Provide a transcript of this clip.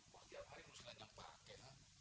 wah tiap hari ruslan yang pake